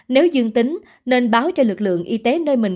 nếu dương tính nên báo cho lực lượng y tế